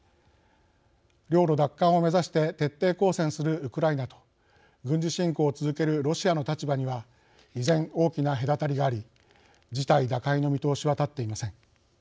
領土奪還を目指して徹底抗戦するウクライナと軍事侵攻を続けるロシアの立場には依然、大きな隔たりがあり事態打開の見通しは立っていません。